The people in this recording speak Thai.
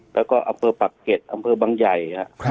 แล้วก็อำเภอปักเก็ตอำเภอบังใหญ่